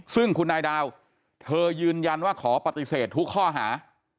ซึ่งคุณนายดาวเธอยืนยันว่าขอปฏิเสธทุกข้อหา